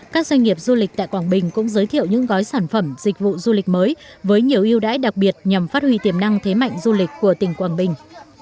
các doanh nghiệp du lịch tại quảng bình cũng giới thiệu những gói sản phẩm dịch vụ du lịch mới với nhiều yêu đãi đặc biệt nhằm phát huy tiềm năng thế mạnh du lịch của tỉnh quảng bình